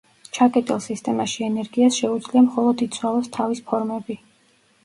ჩაკეტილ სისტემაში ენერგიას შეუძლია მხოლოდ იცვალოს თავის ფორმები.